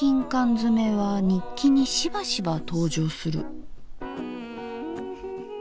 づめは日記にしばしば登場する。